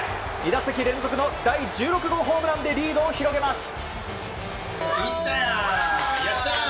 ２打席連続の第１６号ホームランでリードを広げます。